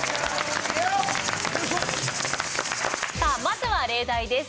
さあまずは例題です。